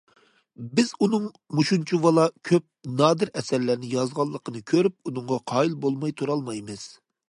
بىز ئۇنىڭ مۇشۇنچىۋالا كۆپ نادىر ئەسەرلەرنى يازغانلىقىنى كۆرۈپ ئۇنىڭغا قايىل بولماي تۇرالمايمىز.